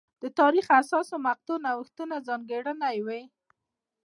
د تاریخ د حساسو مقطعو نوښتونه ځانګړنه وې.